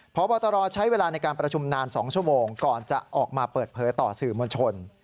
พบตรใช้เวลาในการประชุมนาน๒ชั่วโมงก่อนจะออกมาเปิดเผยต่อสื่อมวลชน